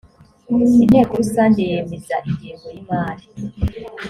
inteko rusange yemeza ingengo yimari